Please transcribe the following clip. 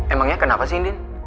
emangnya kenapa sih indin